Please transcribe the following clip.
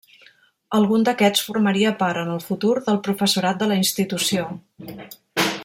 Algun d'aquests formaria part, en el futur, del professorat de la institució.